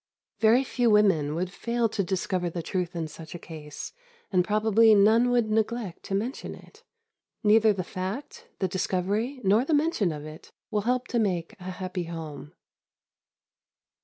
Very few women would fail to discover the truth in such a case, and probably none would neglect to mention it. Neither the fact, the discovery, nor the mention of it will help to make a happy home.